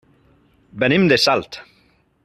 Venim de Salt.